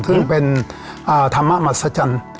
ซึ่งเป็นธรรมมัศจรรย์